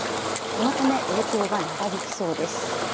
このため影響が長引きそうです。